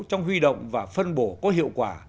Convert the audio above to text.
trong huy động và phân bổ có hiệu quả